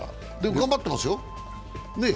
頑張ってますよ。